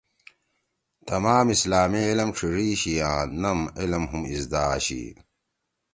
تمام اسلامی علم ڇھیِڙی شی آں نم علم ہُم اِزدا آشی